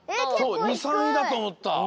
そう２３いだとおもった。